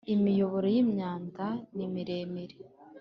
Imiyoboro y ‘imyanda nimiremire.